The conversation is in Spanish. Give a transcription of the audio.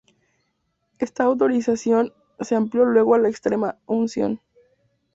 Esta autorización se amplió luego a la extrema unción.